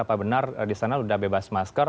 apa benar di sana sudah bebas masker